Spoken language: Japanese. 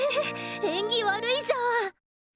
縁起悪いじゃん！